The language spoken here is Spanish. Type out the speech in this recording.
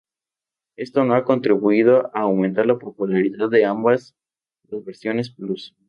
Esto no ha contribuido a aumentar la popularidad de ambas las versiones Plus.